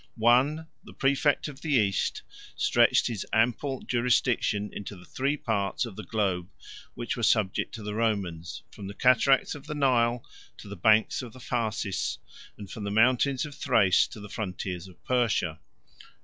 1. The præfect of the East stretched his ample jurisdiction into the three parts of the globe which were subject to the Romans, from the cataracts of the Nile to the banks of the Phasis, and from the mountains of Thrace to the frontiers of Persia.